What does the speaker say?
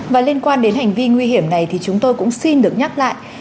và liên quan đến hành vi nguy hiểm này thì chúng tôi cũng xin được nhắc lại